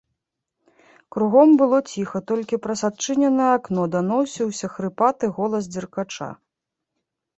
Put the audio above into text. Кругом было ціха, толькі праз адчыненае акно даносіўся хрыпаты голас дзеркача.